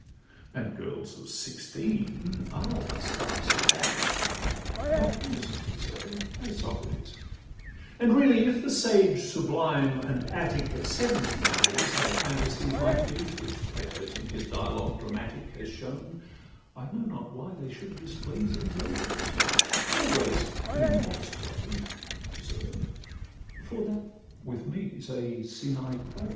And girls of sixteen are thus far Socratic, But innocently so, as Socrates; And really, if the sage sublime and Attic At seventy years had phantasies like these, Which Plato in his dialogues dramatic Has shown, I know not why they should displease In virgins—always in a modest way, Observe; for that with me 's a 'sine qua.